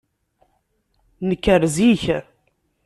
Nker zik.